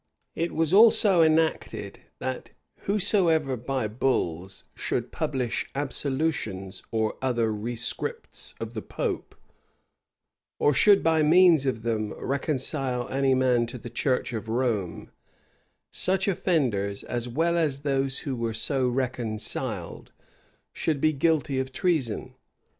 It was also enacted, that whosoever by bulls should publish absolutions or other rescripts of the pope, or should, by means of them, reconcile any man to the church of Rome, such offenders, as well as those who were so reconciled, should be guilty of treason.